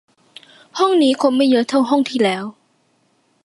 ห้องนี้คนไม่เยอะเท่าห้องที่แล้ว